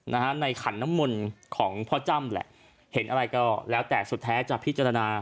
นะฮะในขันน้ำมนต์ของพ่อจ้ำแหละเห็นอะไรก็แล้วแต่สุดท้ายจะพิจารณา